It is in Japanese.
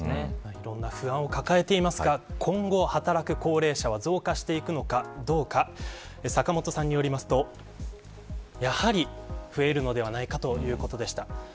いろんな不安を抱えていますが今後、働く高齢者は増加していくのかどうか坂本さんによりますとやはり増えるのではないかということでした。